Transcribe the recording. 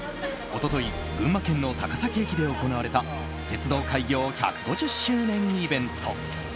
一昨日群馬県の高崎駅で行われた鉄道開業１５０周年イベント。